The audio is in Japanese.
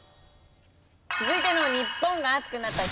続いての日本が熱くなった！